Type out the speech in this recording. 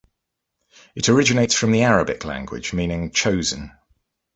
It originates from the Arabic language, meaning "chosen".